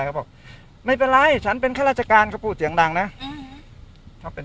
เขาบอกไม่เป็นไรฉันเป็นข้าราชการก็พูดเสียงดังนะอืมถ้าเป็น